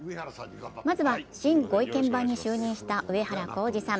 まずは新御意見番に就任した上原浩治さん。